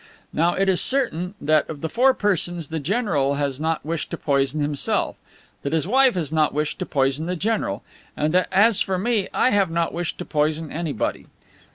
Now, it is certain that, of the four persons, the general has not wished to poison himself, that his wife has not wished to poison the general, and that, as for me, I have not wished to poison anybody.